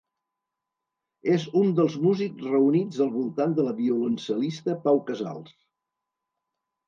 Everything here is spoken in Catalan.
És un dels músics reunits al voltant de la violoncel·lista Pau Casals.